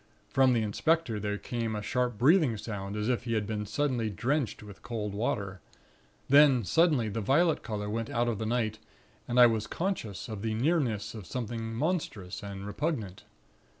From the inspector there came a sharp breathing sound, as if he had been suddenly drenched with cold water. Then suddenly the violet color went out of the night, and I was conscious of the nearness of something monstrous and repugnant.